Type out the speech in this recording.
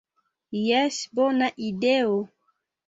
Jes, bona ideo!"